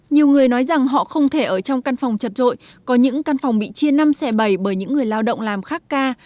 nhiều người nói rằng họ không thể ở trong căn phòng chặt rội có những căn phòng bị chia năm xe bảy bởi những người lao động làm khắc ca